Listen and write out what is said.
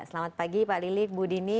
selamat pagi pak lili ibu dini